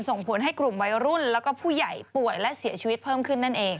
ส่งผลให้กลุ่มวัยรุ่นแล้วก็ผู้ใหญ่ป่วยและเสียชีวิตเพิ่มขึ้นนั่นเอง